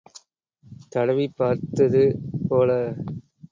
தடவிப் பார்த்தது போல.